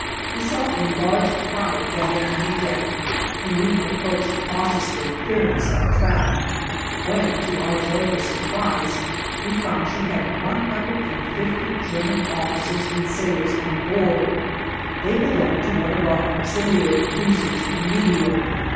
We saw a large crowd gathered on her deck, and we approached cautiously, fearing some trap; when to our joyful surprise we found she had 150 German officers and sailors on board. They belonged to one of our auxiliary cruisers, the "Meteor."